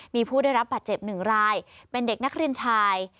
มีผู้ได้รับบาดเจ็บหนึ่งรายเป็นเด็กนักเรียนชาย